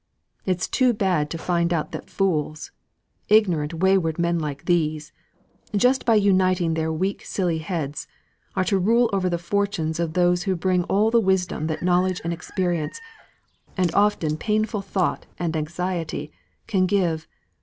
It is too bad to find out that fools ignorant, wayward men like these just by uniting their silly heads, are to rule over the fortunes of those who bring all the wisdom that knowledge and experience, and often painful thought and anxiety, can give.